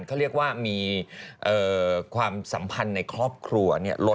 เขาเรียกว่ามีความสัมพันธ์ในครอบครัว